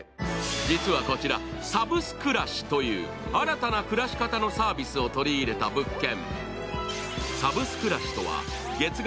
実はこちら、サブスくらしという新たな暮らし方のサービスを取り入れた物件。